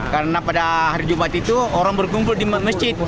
karena pada hari jumat itu orang berkumpul di masjid